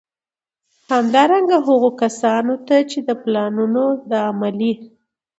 همدارنګه، هغو کسانو ته چي د پلانونو د عملي